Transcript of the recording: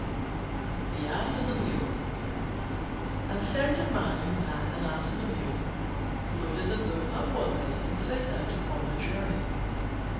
THE ASS AND THE MULE A certain man who had an Ass and a Mule loaded them both up one day and set out upon a journey.